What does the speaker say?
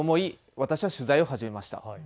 私は取材を始めました。